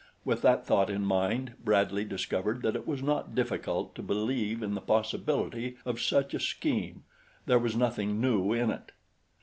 With that thought in mind Bradley discovered that it was not difficult to believe in the possibility of such a scheme there was nothing new in it.